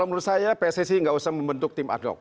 pssi tidak usah membentuk tim adhok